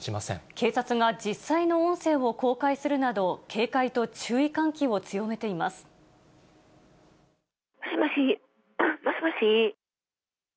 警察が実際の音声を公開するなど、警戒と注意喚起を強めていもしもし、もしもし。